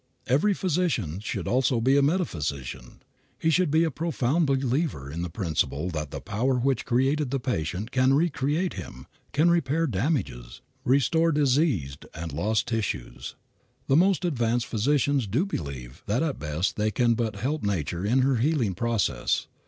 Every physician should also be a metaphysician. He should be a profound believer in the principle that the Power which created the patient can re create him, can repair damages, restore diseased or lost tissues. The most advanced physicians do believe that at best they can but help Nature in her healing processes.